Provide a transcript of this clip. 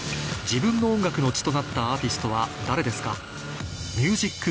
自分の音楽の血となったアーティストは誰ですか？